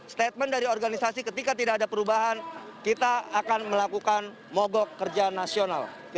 statement dari organisasi ketika tidak ada perubahan kita akan melakukan mogok kerja nasional